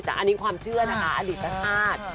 แต่อันนี้ความเชื่อนะคะอลิบรรทาส